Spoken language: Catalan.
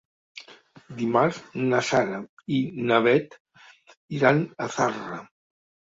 Dimarts na Sara i na Bet iran a Zarra.